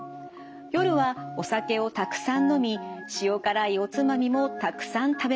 夜はお酒をたくさん飲み塩辛いおつまみもたくさん食べます。